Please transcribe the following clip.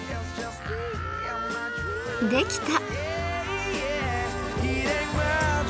できた！